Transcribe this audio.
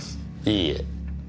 いいえ。